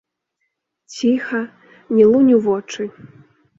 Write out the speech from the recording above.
Ціха, не лунь у вочы.